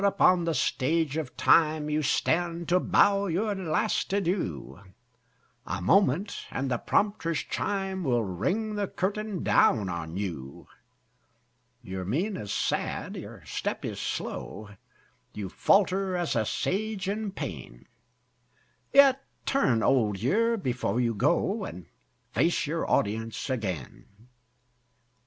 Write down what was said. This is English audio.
upon the Stage of Time You stand to bow your last adieu; A moment, and the prompter's chime Will ring the curtain down on you. Your mien is sad, your step is slow; You falter as a Sage in pain; Yet turn, Old Year, before you go, And face your audience again.